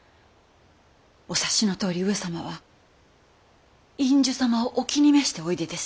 お察しのとおり上様は院主様をお気に召しておいでです。